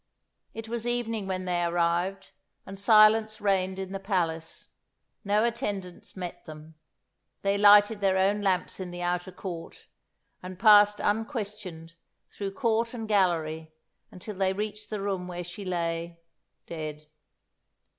It was evening when they arrived, and silence reigned in the palace. No attendants met them. They lighted their own lamps in the outer court, and passed unquestioned through court and gallery until they reached the room where she lay dead.